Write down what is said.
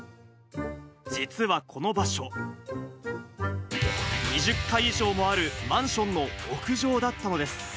実はこの場所、２０階以上もあるマンションの屋上だったのです。